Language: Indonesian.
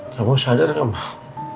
kamu sadar gak mak